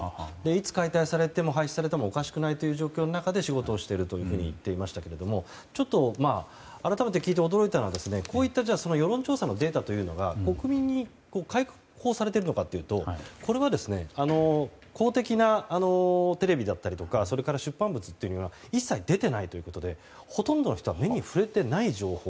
いつ解体されても、廃止されてもおかしくない状況の中で仕事をしていると言っていましたけれども改めて聞いて驚いたのはこういった世論調査のデータというのは国民に開放されているのかというと公的なテレビだったり出版物というのには一切出ていないということでほとんどの人は目に触れていない情報。